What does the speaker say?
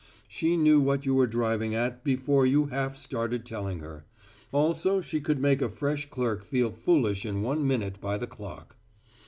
She knew what you were driving at before you half started telling her; also she could make a fresh clerk feel foolish in one minute by the clock.